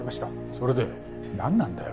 それでなんなんだよ？